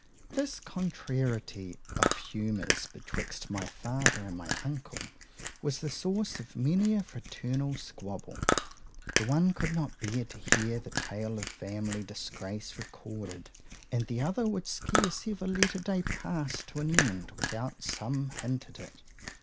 This contrariety of humours betwixt my father and my uncle, was the source of many a fraternal squabble. The one could not bear to hear the tale of family disgrace recorded,——and the other would scarce ever let a day pass to an end without some hint at it.